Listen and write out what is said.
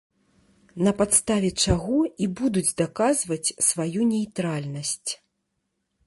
На падставе чаго і будуць даказваць сваю нейтральнасць.